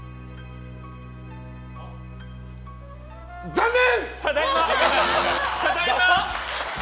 残念！